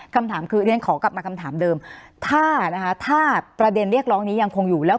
คำถามคือเรียนขอกลับมาคำถามเดิมถ้านะคะถ้าประเด็นเรียกร้องนี้ยังคงอยู่แล้ว